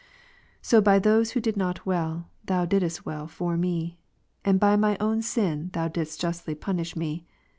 So by those who did not well. Thou didst well for me ; and by my own sin Thou didst justly punish me.